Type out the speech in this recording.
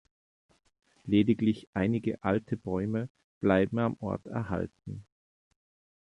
Lediglich einige alte Bäume bleiben am Ort erhalten.